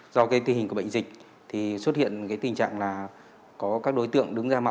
do cái tình hình của bệnh dịch thì xuất hiện cái tình trạng là có các đối tượng đứng ra mạo danh